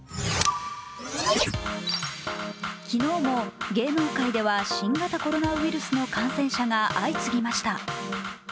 昨日も芸能界では新型コロナウイルスの感染者が相次ぎました。